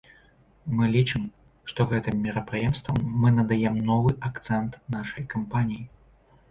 Мы лічым, што гэтым мерапрыемствам мы надаем новы акцэнт нашай кампаніі.